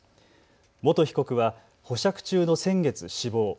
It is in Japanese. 元被告は保釈中の先月死亡。